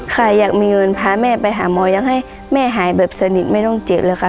ใครอยากมีเงินพาแม่ไปหาหมอยังให้แม่หายแบบสนิทไม่ต้องเจ็บเลยค่ะ